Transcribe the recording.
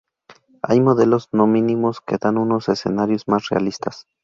Hay modelos no mínimos que dan unos escenarios más realistas.